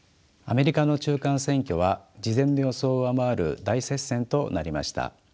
アメリカの中間選挙は事前の予想を上回る大接戦となりました。